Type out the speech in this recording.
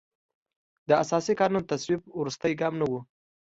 د اساسي قانون تصویب وروستی ګام نه و.